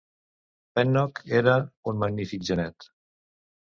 Pennock era un magnífic genet.